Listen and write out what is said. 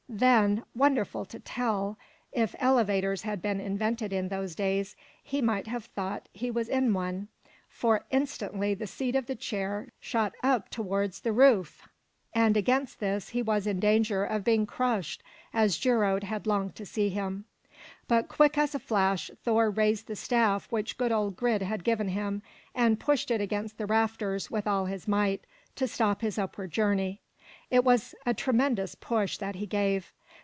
Then, wonderful to tell! if elevators had been invented in those days, he might have thought he was in one. For instantly the seat of the chair shot up towards the roof, and against this he was in danger of being crushed as Geirröd had longed to see him. But quick as a flash Thor raised the staff which good old Grid had given him, and pushed it against the rafters with all his might to stop his upward journey. It was a tremendous push that he gave.